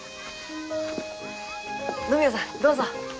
野宮さんどうぞ。